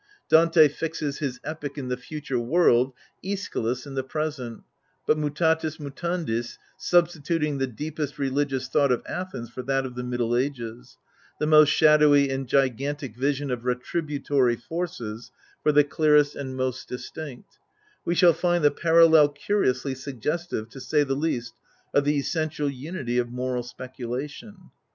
Dante fixes his epic in the future world, iCschylus in the present; but mutatis mutandis, substituting the deepest religious thought of Athens for that of the middle ages, the most shadowy and gigantic vision of retributory forces for the clearest and most distinct — we shall find the parallel curiously suggestive, to say the least, of the essential unity of moral speculation.